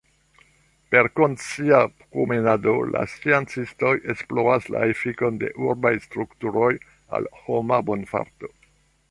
Per konscia promenado la sciencistoj esploras la efikon de urbaj strukturoj al homa bonfarto.